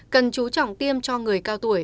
cần chú trọng tiêm cho người cao tuổi